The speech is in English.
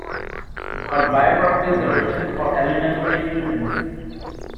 Her biographies are written for elementary students.